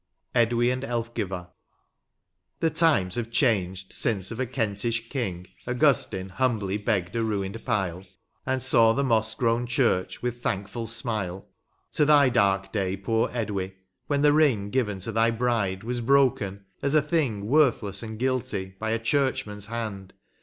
125 LXII. EDWY AND ELFGIVA. The times have changed since of a Kentish king Augustine humhly hegged a ruined pile. And saw the moss grown church with thankful smile. To thy dark day, poor Edwy, when the ring Given to thy hride was broken, as a thing Worthless and guilty, by a churchman's hand.